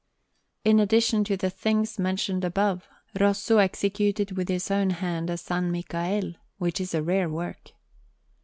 In addition to the things mentioned above, Rosso executed with his own hand a S. Michael, which is a rare work.